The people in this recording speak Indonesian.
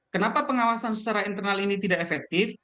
kenapa pengawasan secara internal ini tidak efektif